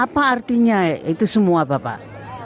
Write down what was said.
apa artinya itu semua bapak